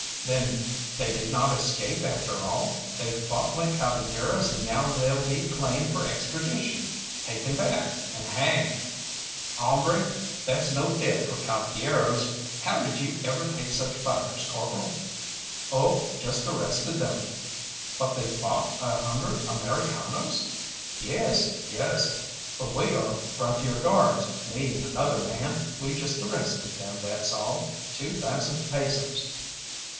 Then they did not escape after all! They fought like caballeros, and now they'll be claimed for extradition, taken back, and hanged! Hombre, that's no death for caballeros! How did you ever take such fighters, corporal?" "Oh, just arrested them." "But they fought a hundred Americanos!" "Yes, yes, but we are Frontier Guards me and another man; we just arrested them, that's all. Two thousand pesos!"